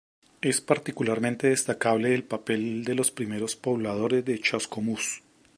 Es particularmente destacable el papel de los primeros pobladores de Chascomús.